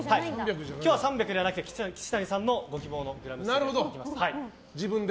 今日は３００ではなくて岸谷さんのご希望のグラム数で。